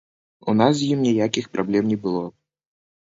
У нас з ім ніякіх праблем не было.